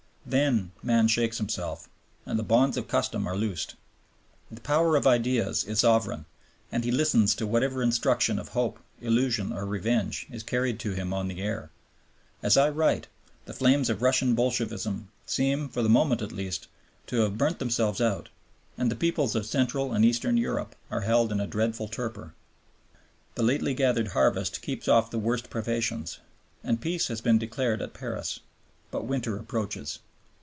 Then man shakes himself, and the bonds of custom are loosed. The power of ideas is sovereign, and he listens to whatever instruction of hope, illusion, or revenge is carried to him on the air. As I write, the flames of Russian Bolshevism seem, for the moment at least, to have burnt themselves out, and the peoples of Central and Eastern Europe are held in a dreadful torpor. The lately gathered harvest keeps off the worst privations, and Peace has been declared at Paris. But winter approaches.